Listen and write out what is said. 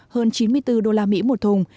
hơn chín mươi bốn usd một thùng